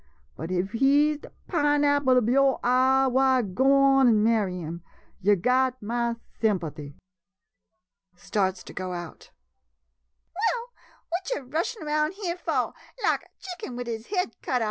But if he's de pineapple ob yo' eye, why, go on an' marry him — yo' got ma sympathy. [Starts to go out.] Melindy Well, what yo' rushin' round here fo' — lak a chicken wid his head off?